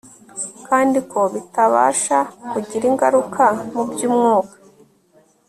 kandi ko bitabasha kugira ingaruka mu by'umwuka